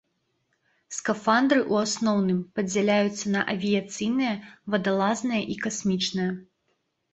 Скафандры ў асноўным падзяляюцца на авіяцыйныя, вадалазныя і касмічныя.